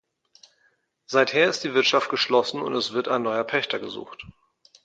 Seither ist die Wirtschaft geschlossen und es wird ein neuer Pächter gesucht.